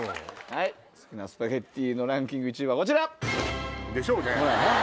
好きなスパゲティのランキング１位はこちら。でしょうね。